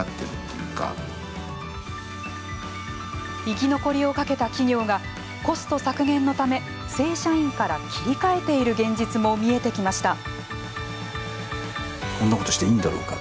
生き残りをかけた企業がコスト削減のため正社員から切り替えている現実も見えてきました。